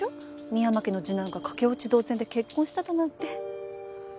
深山家の次男が駆け落ち同然で結婚しただなんて。